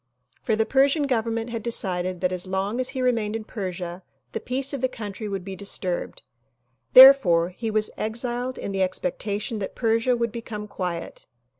For the Persian Government had decided that as long as he remained in Persia the peace of the country would be disturbed; therefore he was exiled in the expectation that Persia would become quiet.